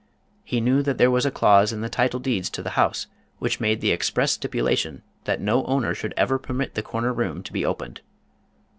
He knew that there was a clause in the title deeds to the house which made the express stipulation that no owner should ever permit the corner room to be opened.